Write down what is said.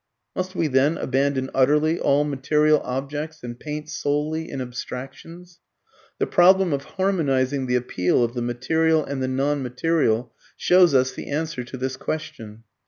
Must we then abandon utterly all material objects and paint solely in abstractions? The problem of harmonizing the appeal of the material and the non material shows us the answer to this question.